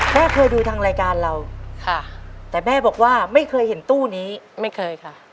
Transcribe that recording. เคยดูทางรายการเราค่ะแต่แม่บอกว่าไม่เคยเห็นตู้นี้ไม่เคยค่ะ